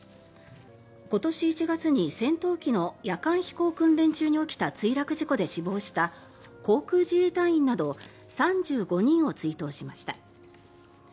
今年１月に戦闘機の夜間飛行訓練中に起きた墜落事故で死亡した航空自衛隊員など３５人を追悼しました。